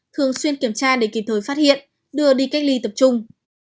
thường xuyên kiểm tra để kịp thời phát hiện đưa đi cách ly tập trung